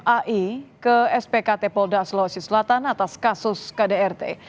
ai ke spkt polda sulawesi selatan atas kasus kdrt